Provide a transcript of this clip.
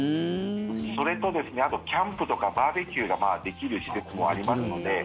それと、あとキャンプとかバーベキューができる施設もありますので。